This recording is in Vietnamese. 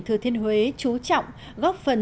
thừa thiên huế chú trọng góp phần